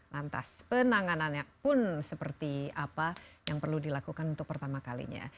lantas penanganannya pun seperti apa yang perlu dilakukan untuk pertama kalinya